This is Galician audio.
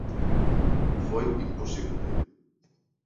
Foi imposible.